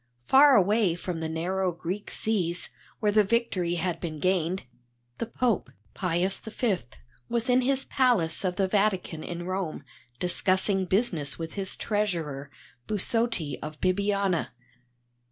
Far away from the narrow Greek seas, where the victory had been gained, the Pope, Pius V, was in his palace of the Vatican in Rome, discussing business with his treasurer, Busotti of Bibiana.